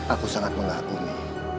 aku sangat mengakumi